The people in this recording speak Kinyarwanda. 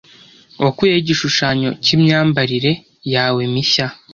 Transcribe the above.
Wakuye he igishushanyo cyimyambarire yawe mishya?